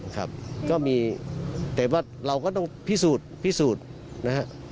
ครับก็มีแต่ว่าเราก็ต้องพิสูจน์พิสูจน์นะฮะ